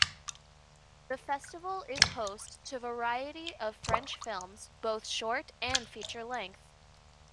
The festival is host to a variety of French films, both short and feature-length.